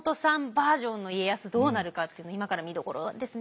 バージョンの家康どうなるかっていうの今から見どころですね。